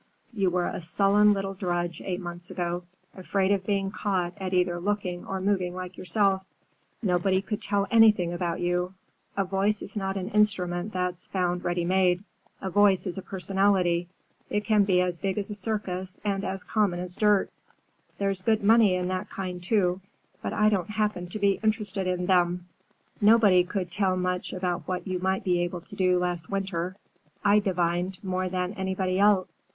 You were a sullen little drudge eight months ago, afraid of being caught at either looking or moving like yourself. Nobody could tell anything about you. A voice is not an instrument that's found ready made. A voice is personality. It can be as big as a circus and as common as dirt.—There's good money in that kind, too, but I don't happen to be interested in them.—Nobody could tell much about what you might be able to do, last winter. I divined more than anybody else."